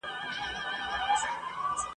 د دې خبري فطري واک